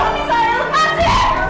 waktu kunjung aja harus udah habis